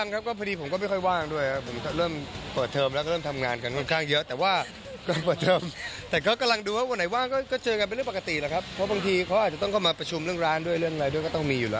แต่ถ้าคิมว่างสะดวกเลยถ้าคิมว่างที่คุณสะดวกไปได้